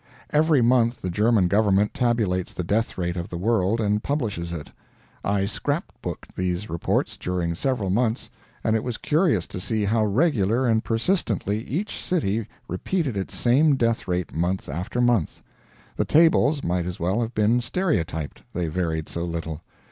Every month the German government tabulates the death rate of the world and publishes it. I scrap booked these reports during several months, and it was curious to see how regular and persistently each city repeated its same death rate month after month. The tables might as well have been stereotyped, they varied so little.